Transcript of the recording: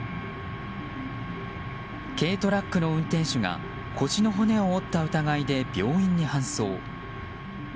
軽トラックの運転手が腰の骨を折った疑いで病院に搬送。